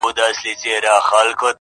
کرنه د کلیو ساتونکې ده.